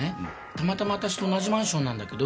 たまたま私と同じマンションなんだけど。